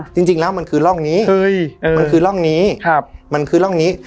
จริงจริงแล้วมันคือร่องนี้เฮ้ยมันคือร่องนี้ครับมันคือร่องนี้